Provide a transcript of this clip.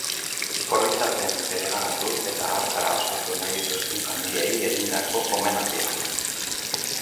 Oroitzapenak bereganatu eta hartara osatu nahi dituzten familiei egindako omenaldia.